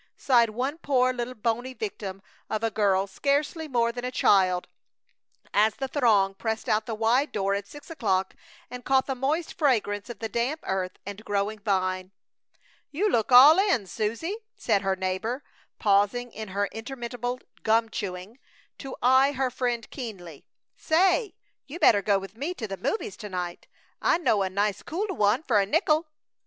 sighed one poor little bony victim of a girl, scarcely more than a child, as the throng pressed out the wide door at six o'clock and caught the moist fragrance of the damp earth and growing vine. "You look all in, Susie!" said her neighbor, pausing in her interminable gum chewing to eye her friend keenly. "Say, you better go with me to the movies to night! I know a nice cool one fer a nickel!"